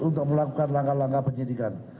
untuk melakukan langkah langkah penyidikan